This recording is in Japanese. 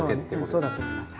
そうだと思います。